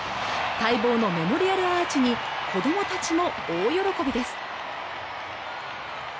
待望のメモリアルアーチに子どもたちも大喜びです